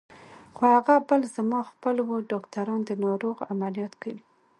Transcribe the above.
خو هغه بل زما خپل و، ډاکټران د ناروغ عملیات کوي.